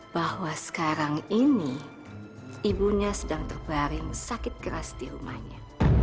bahwa sekarang ini ibunya sedang terbaring sakit keras di rumahnya